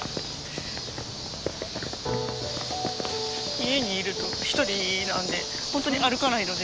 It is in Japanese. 家にいると一人なんでほんとに歩かないので。